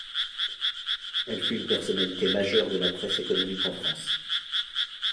Elle fut une personnalité majeure de la presse économique en France.